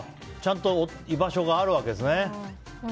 ちゃんと居場所があるわけですね。